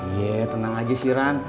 ya tenang aja sih ran